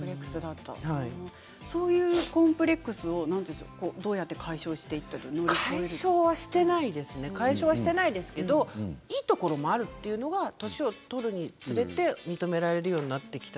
そういうコンプレックスをどうやって解消はしていないですけどいいところもあるというのが年を取るにつれて認められるようになってきた。